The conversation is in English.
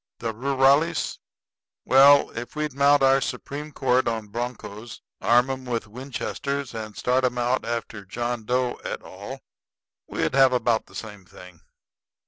The rurales well, if we'd mount our Supreme Court on broncos, arm 'em with Winchesters, and start 'em out after John Doe et al. we'd have about the same thing.